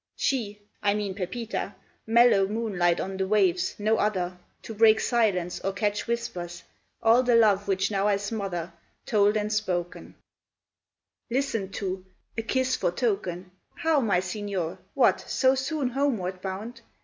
She I mean Pepita mellow Moonlight on the waves, no other To break silence or catch whispers, All the love which now I smother Told and spoken, Listened to, a kiss for token: How, my Signor? What! so soon Homeward bound?